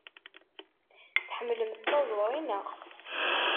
Tḥemmlemt taẓuri, naɣ?